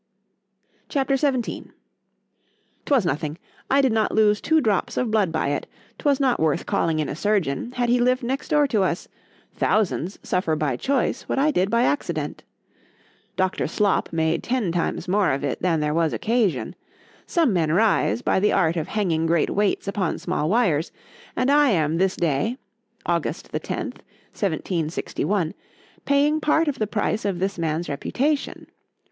C H A P. XVII ——'TWAS nothing,—I did not lose two drops of blood by it——'twas not worth calling in a surgeon, had he lived next door to us——thousands suffer by choice, what I did by accident.——Doctor Slop made ten times more of it, than there was occasion:——some men rise, by the art of hanging great weights upon small wires,—and I am this day (August the 10th, 1761) paying part of the price of this man's reputation.